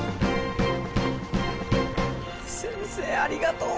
先生ありがとう！